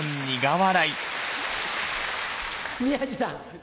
宮治さん。